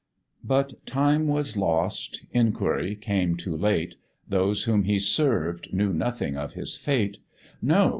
But time was lost, inquiry came too late, Those whom he served knew nothing of his fate; No!